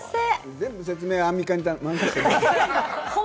全部説明、アンミカに頼んでる。